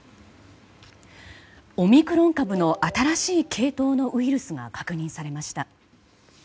オミクロン株の新しい系統のウイルスが確認されました。